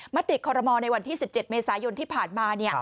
มติคอรมอลในวันที่๑๗เมษายนที่ผ่านมา